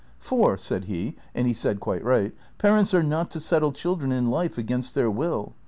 For, said he — and he said rpiite right — parents are not to settle children in life against their will.